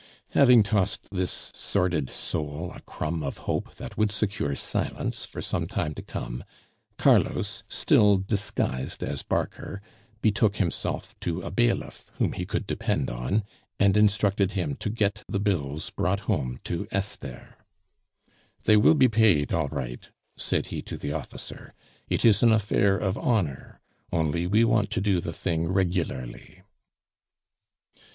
Having tossed this sordid soul a crumb of hope that would secure silence for some time to come, Carlos, still disguised as Barker, betook himself to a bailiff whom he could depend on, and instructed him to get the bills brought home to Esther. "They will be paid all right," said he to the officer. "It is an affair of honor; only we want to do the thing regularly."